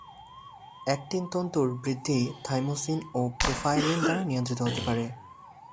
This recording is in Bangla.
অ্যাক্টিন তন্তুর বৃদ্ধি থাইমোসিন ও প্রোফাইলিন দ্বারা নিয়ন্ত্রিত হতে পারে।